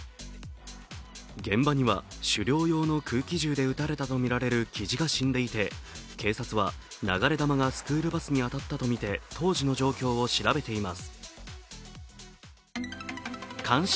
現場には狩猟用の空気銃で撃たれたとみられるきじが死んでいて、警察は流れ弾がスクールバスに当たったとみて、当時の状況を調べています。